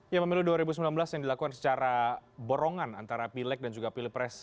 ya pemilu dua ribu sembilan belas yang dilakukan secara borongan antara pilek dan juga pilpres